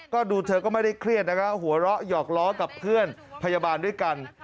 ก็ดูเธอก็ไม่ได้เครียดนะคะหัวเราะหยอกล้อกับเพื่อนพยาบาลด้วยกัน